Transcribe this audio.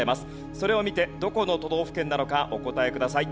それを見てどこの都道府県なのかお答えください。